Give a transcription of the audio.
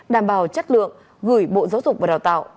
đảm bảo chất lượng gửi bộ giáo dục và đào tạo